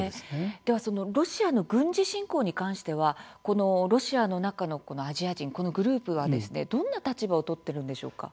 では、そのロシアの軍事侵攻に関しては「ロシアの中のアジア人」このグループはどんな立場を取っているんでしょうか？